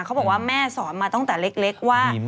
เขาบอกว่าแม่สอนมาตั้งแต่เล็กว่า